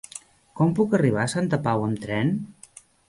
Com puc arribar a Santa Pau amb tren?